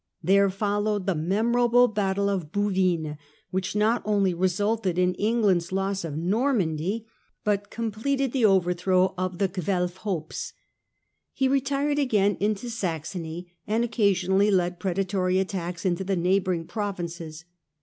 There followed the memorable battle of Bou vines, which not only resulted in England's loss of Nor mandy, but completed the overthrow of the Guelf's hopes. He retired again into Saxony and occasionally led predatory attacks into the neighbouring provinces.